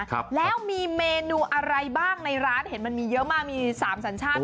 ครับแล้วมีเมนูอะไรบ้างในร้านเห็นมันมีเยอะมากมีสามสัญชาติ